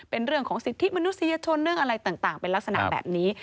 เป็นเรื่องของสิทธิมนุษยชนเรื่องอะไรต่างเป็นลักษณะแบบนี้